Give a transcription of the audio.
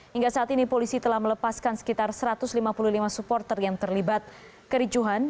hingga saat ini polisi telah melepaskan sekitar satu ratus lima puluh lima supporter yang terlibat kericuhan